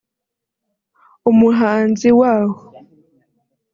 umuhanzi Wahu